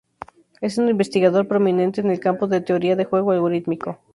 Es un investigador prominente en el campo de teoría de juego algorítmico.